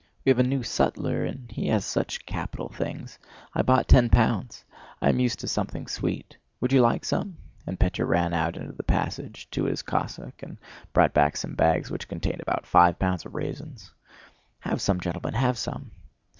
We have a new sutler and he has such capital things. I bought ten pounds. I am used to something sweet. Would you like some?..." and Pétya ran out into the passage to his Cossack and brought back some bags which contained about five pounds of raisins. "Have some, gentlemen, have some!"